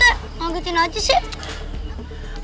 pak rt mau ke cina aja sih